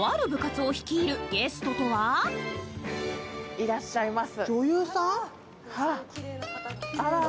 いらっしゃいます。